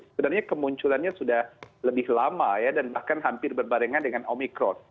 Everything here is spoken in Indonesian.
sebenarnya kemunculannya sudah lebih lama ya dan bahkan hampir berbarengan dengan omikron